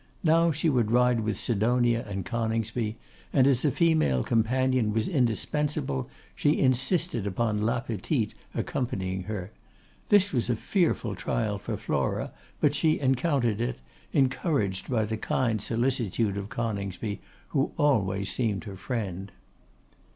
Now she would ride with Sidonia and Coningsby, and as a female companion was indispensable, she insisted upon La Petite accompanying her. This was a fearful trial for Flora, but she encountered it, encouraged by the kind solicitude of Coningsby, who always seemed her friend.